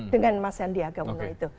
dengan mas yandi agamona itu